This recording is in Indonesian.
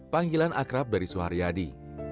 panggilan akrab dari suharyadi